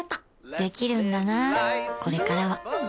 できるんだなこれからはん！